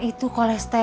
apa enggak ternyata gak